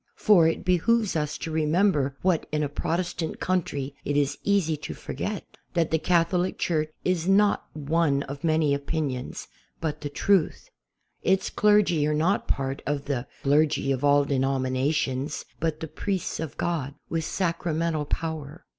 For it behooves us to remember what in a Protestant country it is easy to forget: that the Catholic Church is not one of many opinions, but the truth. Its clergy are not part of the ''clergy of all denominations," but the priests of God with Sacramental power.